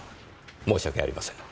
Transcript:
申し訳ありません。